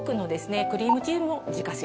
クリームチーズも自家製です。